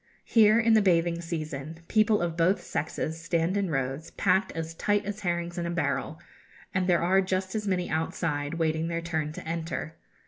Here, in the bathing season, people of both sexes stand in rows, packed as tight as herrings in a barrel, and there are just as many outside waiting their turn to enter.